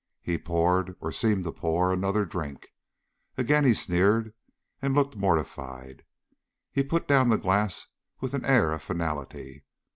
He poured or seemed to pour another drink. Again he sneered, and looked mortified. He put down the glass with an air of finality.